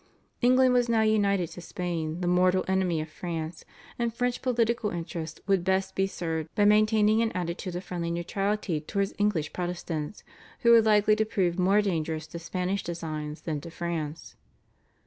England was now united to Spain, the mortal enemy of France, and French political interests would best be served by maintaining an attitude of friendly neutrality towards English Protestants, who were likely to prove more dangerous to Spanish designs than to France.